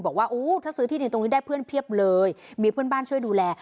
บอกว่าถ้าซื้อที่ดินตรงนี้ได้เพื่อนเพียบเลยมีเพื่อนบ้านช่วยดูแล